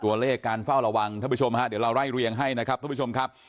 ตัวเลขการเฝ้าระวังทุกผู้ชมครับเดี๋ยวเราไล่เรียงให้นะครับ